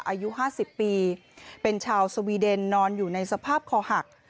อายุ๕๐ปีเป็นชาวสวีเดนนอนอยู่ในสภาพคอหัก